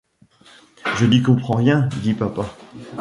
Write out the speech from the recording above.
Je n’y comprends rien, dit papa.